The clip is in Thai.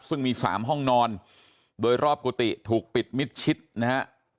ซึ่งมี๓ห้องนอนโดยรอบกุฏิถูกปิดมิดชิดนะฮะ